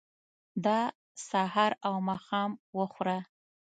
دا سهار او ماښام وخوره.